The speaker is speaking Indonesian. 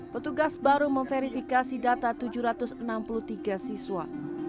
petugas baru memverifikasi data tujuh ratus enam puluh tiga siswa